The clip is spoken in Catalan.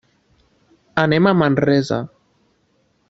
Anem a Manresa.